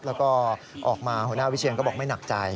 แล้วก็ออกมาหัวหน้าวิเชียนก็บอกไม่หนักใจ